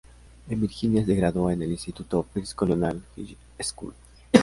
En Virginia se graduó en el instituto First Colonial High School.